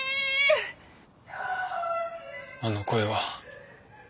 あの声は。